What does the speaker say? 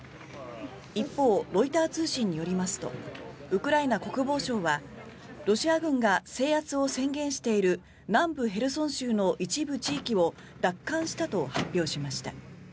一方、ロイター通信によりますとウクライナ国防省はロシア軍が制圧を宣言している南部ヘルソン州の一部地域を奪還したと発表しました。